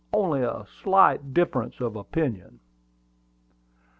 Only a slight difference of opinion."